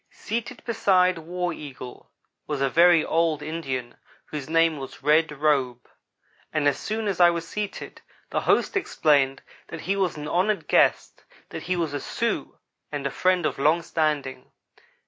Seated beside War Eagle was a very old Indian whose name was Red Robe, and as soon as I was seated. the host explained that he was an honored guest; that he was a Sioux and a friend of long standing.